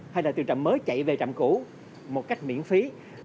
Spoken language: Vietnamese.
hay là từ trạm mới chạy về trạm cũ một cách miễn phí